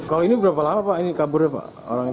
kalau ini berapa lama pak ini kaburnya pak